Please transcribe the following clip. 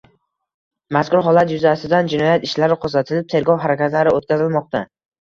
Mazkur holatlar yuzasidan jinoyat ishlari qo‘zg‘atilib, tergov harakatlari o‘tkazilmoqda